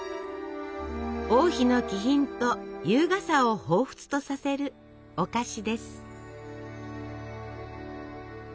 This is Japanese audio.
王妃の気品と優雅さをほうふつとさせるお菓子です。